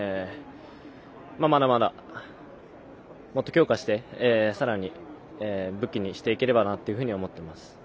まだまだ、もっと強化してさらに武器にしていければなと思っています。